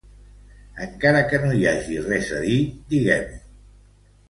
Encara que no hi hagi res a dir, diguem-ho.